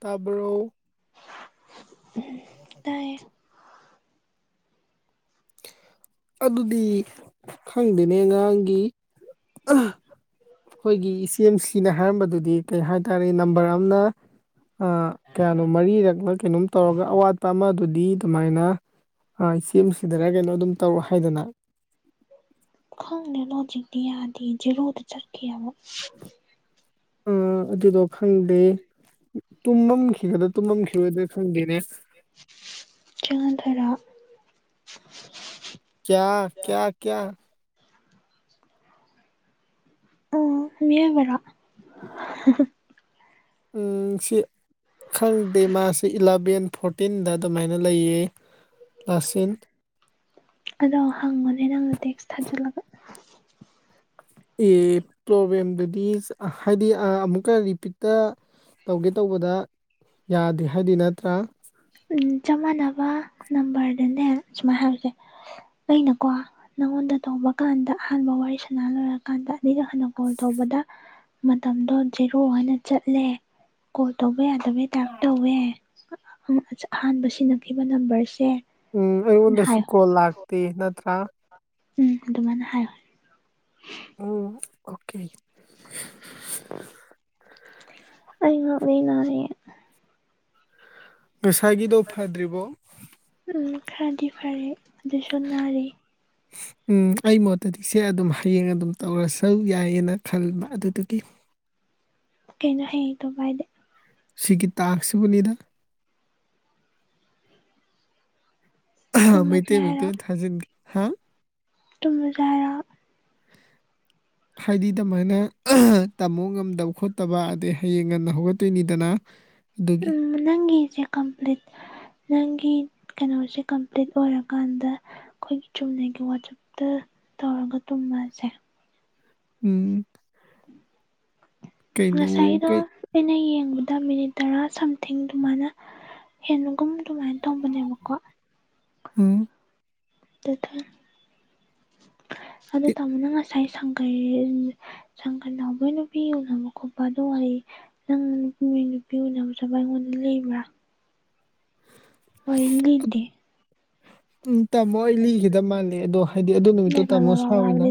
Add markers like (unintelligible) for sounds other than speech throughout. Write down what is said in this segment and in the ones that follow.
ꯇꯥꯕ꯭ꯔꯣ (inaudible) ꯇꯥꯏꯌꯦ ꯑꯗꯨꯗꯤ ꯈꯪꯗꯦꯅꯦ ꯑꯉꯥꯡꯒꯤ ꯑꯩꯈꯣꯏꯒꯤ ꯏꯆꯦꯝꯁꯤꯅ ꯍꯥꯏꯔꯝꯕꯗꯨꯗꯤ ꯀꯩ ꯍꯥꯏ ꯇꯥꯔꯦ ꯅꯝꯕꯔ ꯑꯃꯅ ꯀꯌꯥꯅꯣ ꯃꯔꯤꯔꯛ ꯀꯩꯅꯣꯝ ꯇꯧꯔꯒ ꯑꯋꯥꯠꯄ ꯑꯃ ꯑꯗꯨꯗꯤ ꯑꯗꯨꯃꯥꯏꯅ ꯏꯆꯦꯝ ꯗꯗꯒꯤ ꯒꯤꯗꯣ ꯑꯗꯨꯝ ꯇꯧꯔꯣ ꯍꯥꯏꯗꯨꯅ ꯈꯪꯗꯦꯅꯣ ꯍꯧꯖꯤꯛꯇꯤ ꯌꯥꯗꯦ ꯖꯦꯔꯣꯗ ꯆꯠꯈꯤ ꯑꯃꯨꯛ ꯑ ꯑꯗꯨꯗꯣ ꯈꯪꯗꯦ ꯇꯨꯝꯃꯝꯈꯤꯒꯗ ꯇꯨꯝꯃꯝꯈꯤꯔꯣꯢꯗ꯭ꯔ ꯈꯪꯗꯦꯅꯦ ꯆꯦ ꯉꯥꯟꯊꯣꯢꯔꯣ ꯀ꯭ꯌꯥ ꯀ꯭ꯌꯥ ꯀ꯭ꯌꯥ ꯑꯣ ꯃꯤꯑꯣꯢꯕꯔꯣ ꯎꯝ ꯁꯤ ꯈꯪꯗꯦ ꯃꯥꯁꯦ ꯏꯂꯚꯦꯟ ꯐꯣꯔꯇꯤꯟꯗ ꯑꯗꯨꯃꯥꯏꯅ ꯂꯩꯌꯦ ꯂꯥꯁꯁꯤꯟ ꯑꯗꯣ ꯍꯪꯉꯨꯅꯦ ꯅꯪꯅ ꯇꯦꯛꯁ ꯊꯥꯖꯤꯜꯂꯒ ꯑꯦ ꯄ꯭ꯔꯣꯕꯂꯦꯝꯗꯨ ꯏꯁ ꯍꯥꯏꯗꯤ ꯑꯃꯨꯛꯀ ꯔꯤꯄꯤꯠꯇ ꯇꯧꯒꯦ ꯇꯧꯕꯗ ꯌꯥꯗꯦ ꯍꯥꯏꯗꯣꯢ ꯅꯠꯇ꯭ꯔꯥ ꯆꯞ ꯃꯥꯟꯅꯕ ꯅꯝꯕꯔꯗꯅꯦ ꯁꯨꯃꯥꯏꯅ ꯍꯥꯏꯕꯁꯦ ꯑꯩꯅꯀꯣ ꯅꯪꯉꯣꯟꯗ ꯇꯧꯕ ꯀꯥꯟꯗ ꯑꯍꯥꯟꯕ ꯋꯥꯔꯤ ꯁꯅꯥ ꯂꯣꯏꯔꯀꯥꯟꯗ ꯑꯅꯤꯗ ꯍꯥꯟꯟꯅ ꯀꯣꯜ ꯇꯧꯕꯗ ꯃꯇꯝꯗꯣ ꯖꯦꯔꯣ ꯑꯣꯏꯅ ꯆꯠꯂꯦ ꯀꯣꯜ ꯇꯧꯕ ꯌꯥꯗꯕꯩ ꯇꯥꯏꯞ ꯇꯧꯋꯦ ꯑꯍꯥꯟꯕ ꯁꯤꯖꯤꯟꯅꯈꯤꯕ ꯅꯝꯕꯔꯁꯦ ꯎꯝ ꯑꯩꯉꯣꯟꯗꯁꯨ ꯍꯥꯏꯌꯣ ꯀꯣꯜ ꯂꯥꯛꯇꯦ ꯅꯠꯇ꯭ꯔꯥ ꯎꯝ ꯑꯗꯨꯃꯥꯏꯅ ꯍꯥꯏꯌꯣ ꯎꯝ ꯑꯣꯀꯦ ꯑꯩ ꯉꯛꯂꯤ ꯅꯥꯔꯦ ꯉꯁꯥꯏꯒꯤꯗꯣ ꯐꯗ꯭ꯔꯤꯕꯣ ꯎꯝ ꯈꯔꯗꯤ ꯐꯔꯦ ꯑꯗꯨꯁꯨ ꯅꯥꯔꯤ ꯎꯝ ꯑꯩ ꯃꯣꯠꯇꯗꯤ ꯁꯦ ꯑꯗꯨꯝ ꯍꯌꯦꯡ ꯑꯗꯨꯝ ꯇꯧꯔꯁꯨꯨ ꯌꯥꯏꯌꯦꯅ ꯈꯟꯕ ꯑꯗꯨꯗꯨꯒꯤ ꯀꯩꯅꯣ ꯍꯌꯦ ꯇꯧꯕ ꯍꯥꯢꯗꯦ ꯁꯤꯒꯤ ꯇꯥꯛ꯭ꯁ ꯁꯤꯕꯨꯅꯤꯗ ꯇꯨꯝꯃꯁꯦ ꯑꯥꯍ ꯥꯃꯩꯇꯩ ꯃꯌꯦꯛꯇ ꯑꯣꯏ ꯊꯖꯟꯒꯦ ꯍꯥꯥ ꯇꯨꯝ ꯃꯁꯦ ꯍꯥꯏꯔꯣ ꯍꯥꯏꯗꯤ ꯑꯗꯨꯃꯥꯏꯅ ꯇꯝꯃꯣ ꯉꯝꯗꯕ ꯈꯣꯠꯇꯕ ꯑꯗꯩ ꯍꯌꯦꯡ ꯉꯟꯅ ꯍꯧꯒꯠꯇꯣꯏꯅꯤꯗꯅ ꯑꯗꯨꯒꯤ ꯎꯝ ꯅꯪꯒꯤ ꯁꯦ ꯀꯝꯄ꯭ꯂꯤꯠ ꯅꯪꯒꯤ ꯀꯩꯅꯣꯁꯦ ꯀꯝꯄ꯭ꯂꯤꯠ ꯑꯣꯏꯔꯀꯥꯟꯗ ꯑꯩꯈꯣꯏꯒꯤ ꯆꯨꯝꯅꯒꯤ ꯋꯥꯆꯞꯇ ꯇꯧꯔꯒ ꯇꯨꯝꯃꯁꯦ ꯎꯝ ꯀꯩꯅꯣ ꯉꯁꯥꯏꯗꯣ ꯀꯩ ꯑꯩꯅ ꯌꯦꯡ ꯗ ꯃꯤꯅꯤꯠ ꯇꯔꯥ ꯁꯝꯊꯤꯡ ꯑꯗꯨꯃꯥꯏꯅ ꯍꯦꯟꯒꯨꯝ ꯑꯗꯨꯃꯥꯏꯅ ꯇꯧꯕꯅꯦꯕꯀꯣ ꯎꯝ (unintelligible) ꯑꯗꯨ ꯑꯦ ꯇꯥꯝꯃꯣꯅ ꯉꯁꯥꯏ ꯉꯁꯥꯏ ꯁꯪꯒꯩ ꯁꯪꯒꯩ ꯅꯥꯎꯕꯒꯤ ꯅꯨꯄꯤ ꯎꯅꯕ ꯈꯣꯠꯄ ꯑꯗꯨ ꯅꯪ ꯅꯨꯄꯤ ꯎꯅꯕ ꯆꯠꯕ ꯑꯩꯉꯣꯟꯗ ꯂꯩꯕ꯭ꯔꯥ ꯋꯥꯔꯤ ꯂꯤꯗꯦ ꯎꯝ ꯇꯝꯃꯣ ꯑꯩ ꯂꯤꯒꯤꯗꯕ ꯃꯥꯜꯂꯦ ꯑꯗꯣ ꯍꯥꯏꯗꯤ ꯑꯗꯨ ꯅꯨꯃꯤꯠꯇꯣ ꯇꯥꯝꯃꯣ ꯁꯥꯎꯋꯤꯅ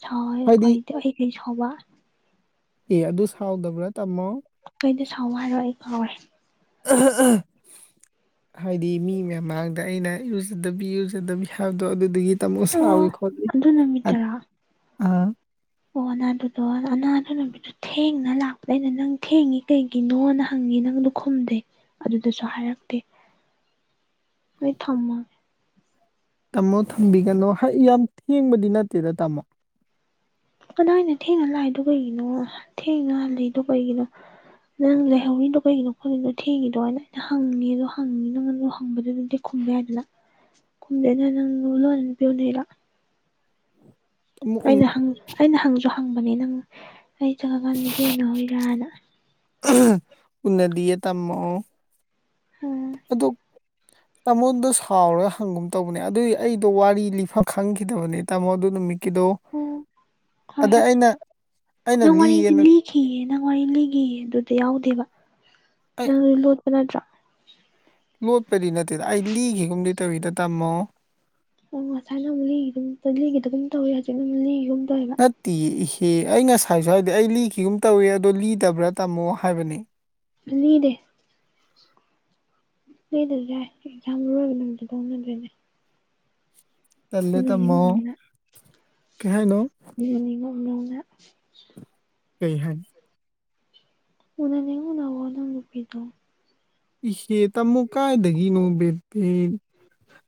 ꯁꯥꯎꯏ ꯍꯥꯏꯗꯤ ꯈꯣꯏꯗꯤ ꯑꯩ ꯁꯥꯎꯕ ꯑꯦ ꯑꯗꯨ ꯁꯥꯎꯗꯕ꯭ꯔꯥ ꯇꯥꯃꯣ ꯀꯩꯗ ꯁꯥꯎ ꯍꯥꯏꯔꯣ ꯑꯩ (unintelligible) ꯑꯍ ꯑꯍ ꯍꯥꯏꯗꯤ ꯃꯤ ꯃꯌꯥꯝ ꯃꯥꯡꯗ ꯑꯩꯅ ꯏꯔꯨꯖꯗꯕꯤ ꯏꯔꯨꯖꯗꯕꯤ ꯍꯥꯏꯕꯗꯣ ꯑꯗꯨꯗꯒꯤ ꯑꯣ ꯑꯗꯨ ꯅꯃꯤꯠ ꯇꯔꯥ ꯑꯥ ꯑꯣ ꯅꯥꯗꯨꯗꯣ ꯑꯅꯥꯟꯕ ꯅꯨꯃꯤꯠꯇꯣ ꯊꯦꯡꯅ ꯂꯥꯛꯄꯗꯩꯅ ꯅꯪ ꯊꯦꯡꯉꯤ ꯀꯩꯒꯤꯅꯣ ꯍꯪꯉꯤ ꯅꯪꯗꯨ ꯈꯨꯝꯗꯦ ꯑꯗꯨꯗꯁꯨ ꯍꯥꯏꯔꯛꯇꯦ ꯍꯣꯏ ꯊꯝꯃꯒꯦ ꯇꯥꯝꯃꯣ ꯊꯝꯕꯤꯒꯅꯨ ꯍꯥꯏ ꯌꯥꯝ ꯊꯦꯡꯕꯗꯤ ꯅꯠꯇꯦꯗ ꯇꯥꯃꯣ ꯀꯗꯥꯏꯗ ꯊꯦꯡꯅ ꯂꯥꯛꯏꯗꯣ ꯀꯩꯒꯤꯅꯣ ꯊꯦꯡꯅ ꯍꯜꯂꯛꯏꯗꯣ ꯀꯩꯒꯤꯅꯣ ꯅꯪ ꯂꯩꯍꯧꯔꯤꯗꯣ ꯀꯩꯒꯤꯅꯣ ꯈꯣꯠꯂꯤꯅꯣ ꯊꯦꯡꯉꯤꯗꯣꯅ ꯑꯩꯅ ꯍꯪꯉꯤ ꯑꯗꯣ ꯍꯪꯉꯤ ꯅꯪ ꯍꯪꯕꯗꯨꯗꯤ ꯈꯨꯝꯕ ꯌꯥꯏꯗꯅ ꯈꯨꯝꯗꯦꯅ ꯅꯪꯅ ꯂꯣꯟꯅ ꯅꯨꯄꯤ ꯎꯟꯅꯩꯔꯣ ꯇꯥꯃꯣ ꯑꯩꯅ ꯍꯪ ꯑꯩꯅ ꯍꯪꯖꯨ (unintelligible) ꯍꯪꯕꯅꯤ ꯅꯪ ꯑꯩ ꯆꯠ ꯈꯔ ꯀꯥꯟꯗ ꯅꯨꯄꯤ ꯎꯅ ꯍꯧꯔꯤꯔꯥꯅ ꯎꯝ ꯍꯨ ꯎꯅꯗꯤꯌꯦ ꯇꯃꯣ ꯎꯝ ꯑꯗꯨ ꯇꯥꯃꯣꯗꯣ ꯁꯥꯎꯔꯒ ꯍꯪꯒꯨꯝ ꯇꯧꯕꯅꯦ ꯑꯗꯨꯏ ꯑꯩꯗꯣ ꯋꯥꯔꯤ ꯂꯤꯐꯝ ꯈꯪꯈꯤꯗꯕꯅꯦ ꯇꯥꯃꯣꯗꯨ ꯅꯨꯃꯤꯠ ꯑꯣ ꯍꯣꯏ ꯍꯣꯏ ꯑꯩꯅ ꯅꯪ ꯋꯥꯔꯤꯗꯤ ꯂꯤꯌꯦꯅ ꯂꯤꯈꯤꯌꯦ ꯅꯪ ꯋꯥꯔꯤ ꯂꯤꯒꯤꯌꯦ ꯑꯗꯨꯗ ꯌꯥꯎꯗꯦꯕ ꯅꯪꯖꯦ ꯂꯣꯠ ꯑꯗꯨ ꯅꯠꯇ꯭ꯔ ꯃꯨ ꯄꯗꯤ ꯅꯠꯇꯦꯗ ꯑꯩ ꯂꯤꯈꯤꯒꯨꯝꯗꯤ ꯇꯧꯏꯗꯣ ꯇꯃꯣ ꯑꯣ ꯉꯁꯥꯏꯅ ꯑꯃꯨꯛ ꯂꯤꯒꯤꯒꯨꯝ ꯂꯤꯒꯤꯗꯒꯨꯝ ꯇꯧꯋꯦ ꯍꯧꯖꯤꯛꯅ ꯑꯃꯨꯛ ꯂꯤꯒꯤꯒꯨꯝ ꯇꯧꯋꯦꯕ ꯅꯠꯇꯤꯌꯦ ꯏꯁ ꯑꯦ ꯑꯩ ꯉꯁꯥꯏꯁꯨ ꯍꯥꯏꯗꯤ ꯑꯩ ꯂꯤꯈꯤꯒꯨꯝ ꯇꯧꯏ ꯑꯗꯣ ꯂꯤꯗꯕ꯭ꯔꯥ ꯇꯝꯃꯣ ꯍꯥꯏꯕꯅꯦ ꯂꯤꯗꯦ ꯂꯤꯗꯁꯨ ꯌꯥꯏ ꯌꯥꯝ ꯃꯔꯨꯑꯣꯏꯕ ꯅꯨꯃꯤꯠꯇ ꯇꯣꯛꯅꯗꯣꯏꯅꯦ ꯇꯂꯦ ꯇꯃꯣ ꯀꯩꯍꯥꯏꯅꯣ ꯎꯅꯅꯤꯡ (inaudible) ꯀꯩ ꯍꯥꯏ ꯎꯅꯅꯤꯡ ꯎꯅꯧꯔꯣ ꯅꯪ ꯅꯨꯄꯤꯗꯣ ꯏꯍꯦ ꯇꯥꯃꯣ ꯀꯥꯏꯗꯒꯤꯅꯣ ꯕꯦꯄꯤ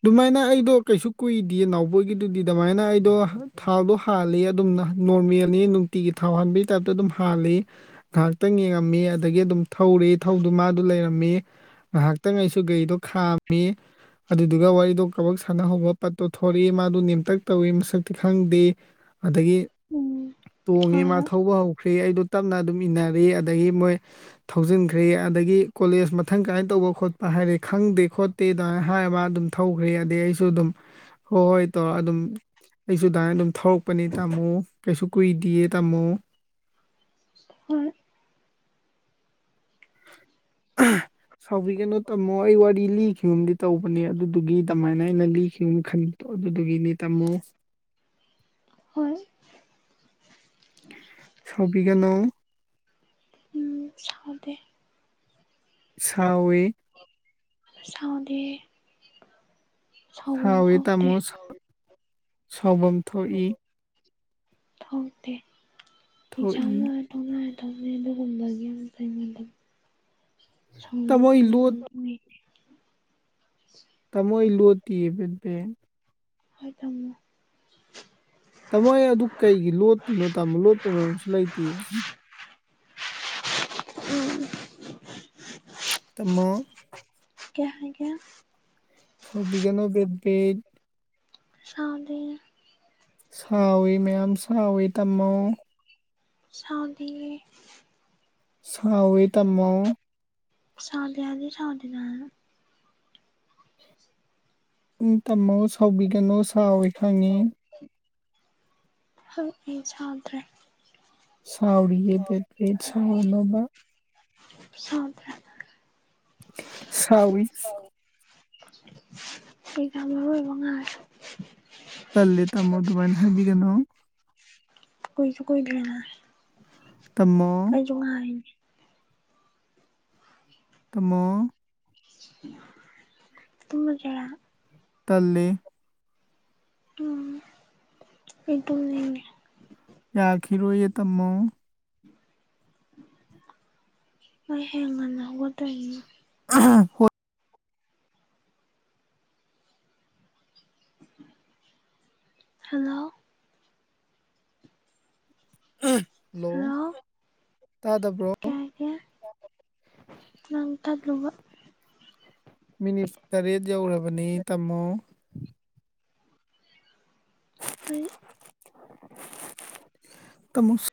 ꯑꯗꯨꯃꯥꯏꯅ ꯑꯩꯗꯣ ꯀꯩꯁꯨ ꯀꯨꯏꯗꯦ ꯅꯥꯎꯕꯣꯏꯒꯤꯗꯨꯗꯤ ꯑꯗꯨꯃꯥꯏꯅ ꯑꯩꯗꯣ ꯊꯥꯎꯗꯣ ꯍꯥꯜꯂꯤ ꯑꯗꯨꯝ ꯅꯣꯔꯃꯦꯜꯅꯤ ꯅꯨꯡꯇꯤꯒꯤ ꯊꯥꯎ ꯍꯥꯟꯕꯒꯤ ꯇꯥꯏꯞꯇ ꯑꯗꯨꯝ ꯍꯥꯜꯂꯤ ꯉꯥꯏꯍꯥꯛꯇꯪ ꯌꯦꯡꯉꯝꯃꯤ ꯑꯗꯒꯤ ꯑꯗꯨꯝ ꯊꯧꯔꯤ ꯊꯧꯗꯨ ꯃꯥꯗꯨ ꯂꯩꯔꯝ ꯃꯤ ꯉꯥꯏꯍꯥꯛꯇꯪ ꯑꯩꯁꯨ ꯒꯥꯔꯤꯗꯣ ꯈꯥꯝꯃꯤ ꯑꯗꯨꯗꯨꯒ ꯋꯥꯔꯤꯗꯣ ꯀꯕꯛ ꯁꯥꯟꯅꯍꯧꯕ ꯄꯠꯇꯣ ꯊꯣꯔꯛꯏ ꯃꯥꯗꯣ ꯅꯦꯝꯇꯛ ꯇꯧꯏꯤ ꯃꯁꯛꯇꯤ ꯈꯪꯗꯦ ꯑꯗꯒꯤ ꯎꯝ ꯇꯣꯡꯉꯦ ꯍꯣꯏ ꯃꯥ ꯍꯣꯏ ꯊꯧꯕ ꯍꯧꯈ꯭ꯔꯦ ꯕꯦ ꯑꯩꯗꯣ ꯇꯞꯅ ꯑꯗꯨꯝ ꯏꯟꯅꯔꯦ ꯑꯗꯒꯤ ꯃꯣꯏ ꯊꯧꯖꯤꯟꯈ꯭ꯔꯦ ꯑꯗꯒꯤ ꯀꯣꯂꯦꯖ ꯃ ꯃꯊꯪ ꯀꯔꯥꯏꯅ ꯇꯧꯕ ꯈꯣꯠꯄ ꯍꯥꯏꯔꯦ ꯈꯪꯗꯦ ꯈꯣꯠꯇꯦ ꯑꯗꯥꯏ ꯍꯥꯏꯕ ꯑꯗꯨꯝ ꯊꯧꯈ꯭ꯔꯦ ꯑꯗꯩ ꯑꯩꯁꯨ ꯑꯗꯨꯝ ꯍꯣꯏ ꯍꯣꯏ ꯇꯧꯔ ꯑꯗꯨꯝ ꯑꯩꯁꯨ ꯑꯗꯥꯏ ꯑꯗꯨꯝ ꯊꯧꯔꯛꯄꯅꯤ ꯇꯥꯃꯣ ꯀꯩꯁꯨ ꯀꯨꯏꯗꯤꯌꯦ ꯇꯥꯃꯣ ꯍꯣꯏ ꯁꯥꯎꯕꯤꯒꯅꯨ ꯇꯥꯃꯣ ꯑꯩ ꯋꯥꯔꯤ ꯂꯤꯈꯤꯒꯨꯝꯗꯤ ꯇꯧꯕꯅꯦ ꯑꯗꯨꯗꯨꯒꯤ ꯑꯗꯨꯃꯥꯏꯅ ꯑꯩꯅ ꯂꯤꯈꯤꯒꯨꯝ ꯈꯟꯕꯗꯣ ꯑꯗꯨꯗꯨꯒꯤꯅꯤ ꯇꯥꯃꯣ ꯍꯣꯏ ꯁꯥꯎꯕꯤ ꯒꯅꯣ ꯎꯝ ꯁꯥꯎꯗꯦ ꯁꯥꯎꯋꯦ ꯁꯥꯎꯗꯦꯍꯦ ꯁꯥꯎꯋꯤ ꯇꯥꯃꯣ (inaudible) ꯁꯥꯎꯕꯝ ꯊꯣꯛꯏ ꯊꯣꯛꯇꯦ ꯑꯦꯛꯖꯥꯝ ꯊꯣꯛꯏ ꯂꯣꯏꯔ ꯇꯣꯛꯂꯛꯑꯅꯤ ꯐꯩꯅꯦ ꯑꯗꯨ ꯒꯨꯝꯕꯒꯤ ꯑꯃ ꯐꯪꯉꯤꯗꯨ ꯇꯥꯃꯣ ꯑꯩ ꯂꯣ (unintelligible) ꯇꯃꯣ ꯑꯩ ꯂꯣꯇꯤꯌꯦ ꯄꯦꯄꯦ ꯍꯣꯏ ꯊꯝꯃꯣ ꯇꯥꯃꯣ ꯑꯩ ꯑꯗꯨ ꯀꯩꯒꯤ ꯂꯣꯠꯇꯨꯏꯅꯣ ꯇꯥꯃꯣ ꯂꯣꯠꯄꯩ ꯃꯔꯝꯁꯨ ꯂꯩꯇꯦ ꯇꯃꯣ ꯀꯩ ꯍꯥꯏꯒꯦ ꯁꯥꯎꯕꯤꯒꯅꯣ ꯕꯦꯕꯦ ꯁꯥꯎꯗꯦ ꯁꯥꯎꯋꯤ ꯃꯌꯥꯝ ꯁꯥꯎꯋꯤ ꯇꯝꯃꯣ ꯁꯥꯎꯗꯤꯌꯦ ꯁꯥꯎꯋꯤ ꯇꯃꯣ ꯁꯥꯎꯗꯦ ꯍꯥꯏꯗꯤ ꯁꯥꯎꯗꯦꯗ ꯎꯪ ꯇꯝꯃꯣ ꯁꯥꯎꯕꯤꯒꯅꯨ ꯁꯥꯎꯋꯦ ꯈꯪꯉꯤ ꯍꯪꯏ ꯁꯥꯎꯗ꯭ꯔꯦ ꯁꯥꯎꯔꯤꯌꯦ ꯕꯦꯄꯤ ꯁꯥꯎꯅꯣꯕ ꯁꯥꯎꯗ꯭ꯔꯦ ꯁꯥꯎꯋꯤ ꯁꯤ ꯀꯝ ꯑꯔ꯭ꯣꯢꯕ ꯉꯥꯛ ꯇꯜꯂꯦ ꯇꯥꯃꯣ ꯑꯗꯨꯃꯥꯏꯅ ꯍꯥꯏꯕꯤꯒꯅꯣ ꯀꯨꯢꯏꯁꯨ ꯀꯣꯏꯗ꯭ꯔꯤꯅꯥꯢ ꯇꯃꯃꯣ ꯑꯩꯖꯨ ꯉꯥꯢꯔꯤꯅꯦ ꯇꯥꯃꯣ ꯇꯨꯝꯂꯒꯦꯔꯥ ꯇꯜꯂꯦ ꯎꯝ ꯑꯩ ꯊꯨꯝꯅꯤꯡꯉꯦ ꯌꯥꯈꯤ ꯔꯣꯏꯌꯦ ꯇꯥꯃꯣ ꯍꯣꯢꯍꯦ ꯉꯟꯅꯥ ꯍꯧꯒꯠꯇꯣꯢꯅꯤ ꯑ ꯍꯣꯏ ꯍꯜꯂꯣ ꯍꯜꯂꯣ ꯇꯥꯗꯕ꯭ꯔꯣ ꯀꯩ ꯍꯥꯏꯒꯦ ꯅꯪ ꯇꯥꯗ꯭ꯔꯣꯕ ꯃꯤꯅꯤꯠ ꯇꯔꯦꯠ ꯌꯧꯔꯕꯅꯦ ꯇꯥꯝꯃꯣ ꯍꯣꯏ ꯀꯥꯝꯃꯨꯁ